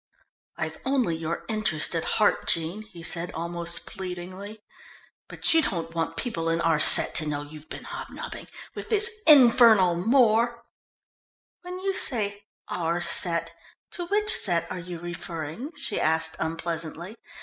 "I've only your interest at heart, Jean," he said almost pleadingly, "but you don't want people in our set to know you've been hobnobbing with this infernal Moor." "When you say 'our set,' to which set are you referring?" she asked unpleasantly.